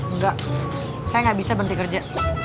enggak saya nggak bisa berhenti kerja